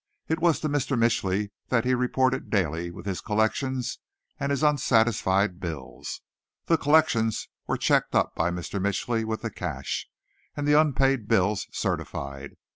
It was to Mr. Mitchly that he reported daily with his collections and his unsatisfied bills. The collections were checked up by Mr. Mitchly with the cash, and the unpaid bills certified.